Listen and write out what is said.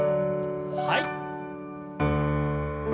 はい。